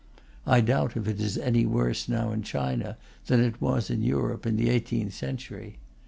I doubt if it is any worse now in China than it was in Europe in the eighteenth century.